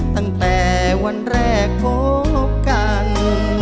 ตั้งแต่วันแรกคบกัน